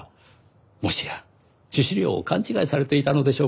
もしや致死量を勘違いされていたのでしょうかね。